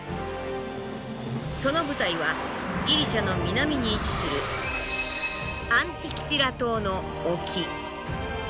その舞台はギリシャの南に位置するアンティキティラ島の沖。